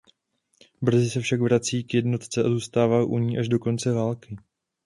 Brzy se však vrací k jednotce a zůstává u ní až do konce války.